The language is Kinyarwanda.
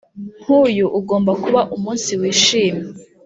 nkuyu ugomba kuba umunsi wishimye